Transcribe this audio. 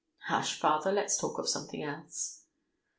"Hush, father, let's talk of something else."